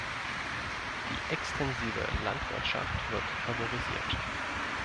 Die extensive Landwirtschaft wird favorisiert.